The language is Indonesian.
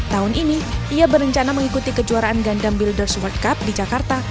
tahun ini ia berencana mengikuti kejuaraan gandam builders world cup di jakarta